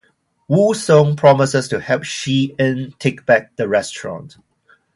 Wu Song promises to help Shi En take back the restaurant.